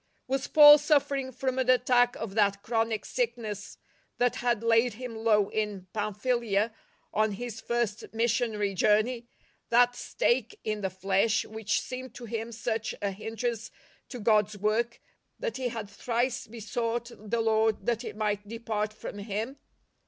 Was Paul suffering from an attack of that chronic sickness that had laid him low in Pamphylia on his first missionary journey — that " stake in the flesh " which seemed to him such a hindrance to God's work that he had thrice besought the Lord that it might depart from him